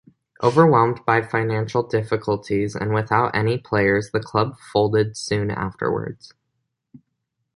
Overwhelmed by financial difficulties and without any players, the club folded soon afterwards.